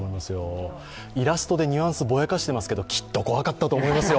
イラストでニュアンスをぼやかしていますけど、キット怖かったと思いますよ。